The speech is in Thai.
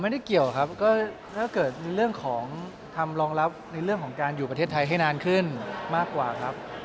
ไม่ได้เกี่ยวครับก็ถ้าเกิดในเรื่องของทำรองรับในเรื่องของการอยู่ประเทศไทยให้นานขึ้นมากกว่าครับ